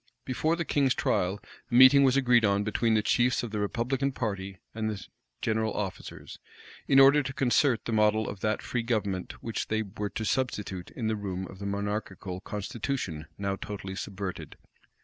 [] Before the king's trial, a meeting was agreed on between the chiefs of the republican party and the general officers, in order to concert the model of that free government which they were to substitute in the room of the monarchical constitution now totally subverted.